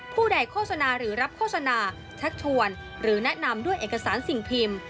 ผู้ใดโฆษณาหรือรับโฆษณาชักชวนหรือแนะนำด้วยเอกสารสิ่งพิมพ์